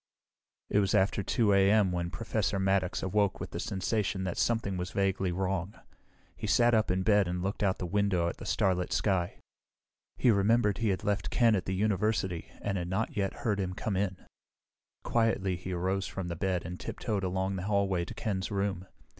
It was after 2 a.m. when Professor Maddox awoke with the sensation that something was vaguely wrong. He sat up in bed and looked out the window at the starlit sky. He remembered he had left Ken at the university and had not yet heard him come in. Quietly he arose from the bed and tiptoed along the hallway to Ken's room.